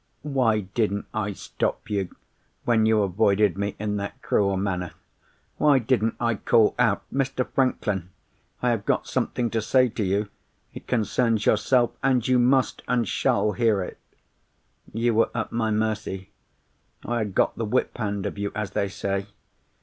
"Why didn't I stop you, when you avoided me in that cruel manner? Why didn't I call out, 'Mr. Franklin, I have got something to say to you; it concerns yourself, and you must, and shall, hear it?' You were at my mercy—I had got the whip hand of you, as they say.